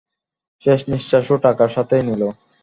শেষ নিঃশ্বাস ও টাকার সাথেই নিলো।